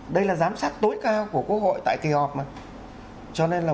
đây là giám sát tối cao của quốc hội tại kỳ họp mà